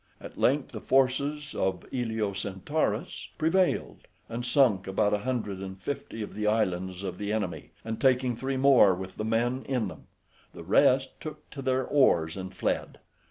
At length the forces of AEolocentaurus prevailed, and sunk about a hundred and fifty of the islands of the enemy, and taking three more with the men in them: the rest took to their oars and fled.